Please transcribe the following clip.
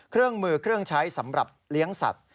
เครื่องมือเครื่องใช้สำหรับเลี้ยงสัตว์